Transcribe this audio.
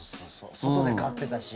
外で飼ってたし。